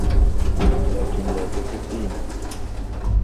لكن لا تحبّينه.